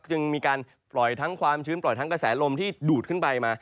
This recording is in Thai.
จึงมีการปล่อยทั้งความชื้นปล่อยทั้งกระแสลมที่ดูดขึ้นไปมา